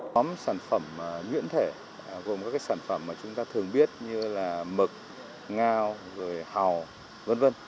nhóm sản phẩm nhuyễn thể gồm các sản phẩm mà chúng ta thường biết như là mực ngao rồi hào v v